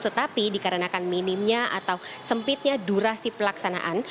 tetapi dikarenakan minimnya atau sempitnya durasi pelaksanaan